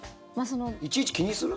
いちいち気にする？